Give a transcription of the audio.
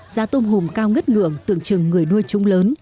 giá tôm hùm cao ngất ngưỡng tưởng chừng người nuôi chúng lớn